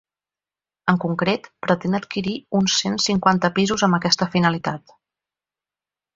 En concret, pretén adquirir uns cent cinquanta pisos amb aquesta finalitat.